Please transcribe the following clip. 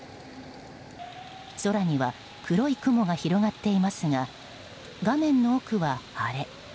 空には黒い雲が広がっていますが画面の奥は晴れ。